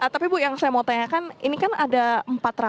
tapi bu yang saya mau tanyakan ini kan ada empat ratus